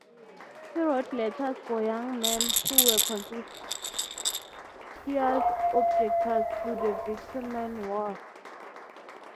He wrote letters for young men who were conscientious objectors to the Vietnam War.